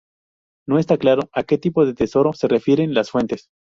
No está claro a que tipo de tesoro se refieren las fuentes.